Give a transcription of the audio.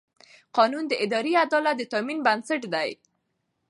قانون د اداري عدالت د تامین بنسټ دی.